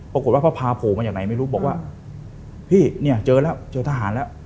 ปรากฏว่าพระพาโผล่มาจากไหนไม่รู้บอกว่าเฮ้ยเจอทหารแล้ว